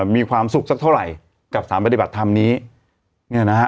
มีความสุขสักเท่าไหร่กับสารปฏิบัติธรรมนี้เนี่ยนะฮะ